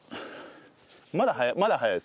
まだ早い？